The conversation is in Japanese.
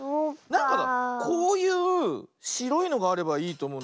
なんかこういうしろいのがあればいいとおもうんだけどね。